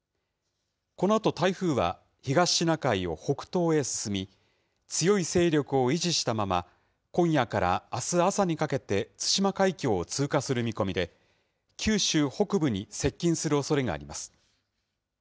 このあと台風は、東シナ海を北東へ進み、強い勢力を維持したまま、今夜からあす朝にかけて対馬海峡を通過する見込みで、九州北部に接近するおそれがあります。